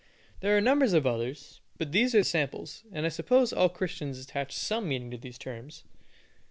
There are numbers of others, but these are samples, and I suppose all Christians attach some meaning to these terms.